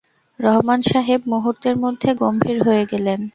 রহমান সাহেব মুহূর্তের মধ্যে গম্ভীর হয়ে গেলেন।